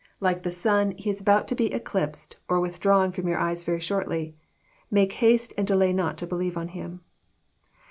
Like the sun, He is abont to be eclipsed, or withdrawn from your eyes very shortly. Make haste, and delay not to believe on Him."